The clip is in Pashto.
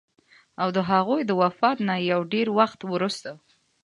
او د هغوي د وفات نه يو ډېر وخت وروستو